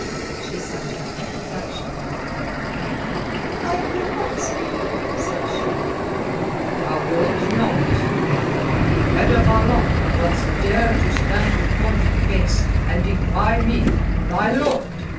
She sat up, flushed and defiant. "I will not speak," said she. "Thou wilt not? Now, by the Head of Allah! dost dare to stand before my face and defy me, thy Lord?